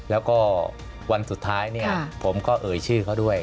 แล้วก็วันสุดท้ายเนี่ยผมก็เอ่ยชื่อเขาด้วย